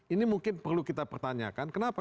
ini mungkin perlu kita pertanyakan kenapa